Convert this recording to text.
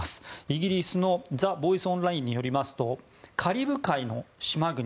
イギリスのザ・ボイス・オンラインによりますとカリブ海の島国